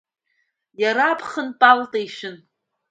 Иара аԥхын палта ишәын.